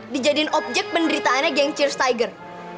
dijadiin objek penderitaannya geng cheers tiger